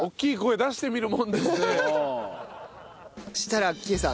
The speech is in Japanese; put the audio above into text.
そしたら喜江さん。